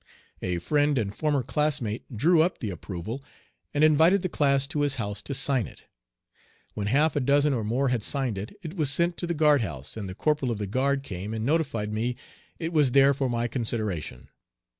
A friend and former classmate drew up the approval, and invited the class to his "house" to sign it. When half a dozen or more had signed it, it was sent to the guard house, and the corporal of the guard came and notified me it was there for my consideration.